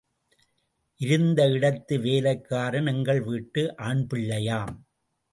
இருந்த இடத்து வேலைக்காரன் எங்கள் வீட்டு ஆண் பிள்ளையாம்.